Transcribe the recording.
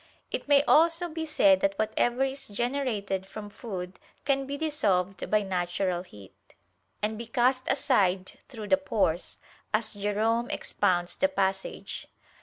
It may also be said that whatever is generated from food, can be dissolved by natural heat, and be cast aside through the pores, as Jerome expounds the passage.